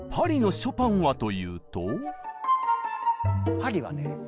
パリはね